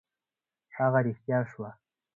هغه رښتیا شوه.